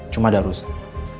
hanya ada urusan